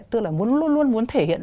tức là muốn luôn luôn muốn thể hiện